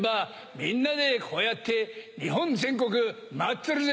みんなでこうやって日本全国回ってるぜ。